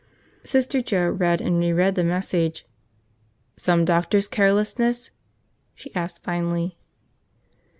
Sister Joe read and reread the message. "Some doctor's carelessness?" she asked finally.